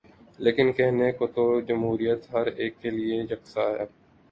لیکن کہنے کو تو جمہوریت ہر ایک کیلئے یکساں ہے۔